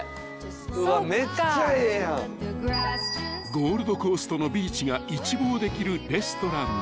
［ゴールドコーストのビーチが一望できるレストランで］